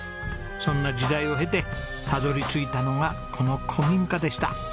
そんな時代を経てたどり着いたのがこの古民家でした。